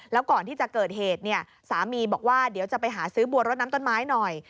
แล้วก่อนที่จะเกิดเหตุเนี่ยสามีบอกว่าเดี๋ยวจะไปหาซื้อบัวรถน้ำต้นไม้หน่อย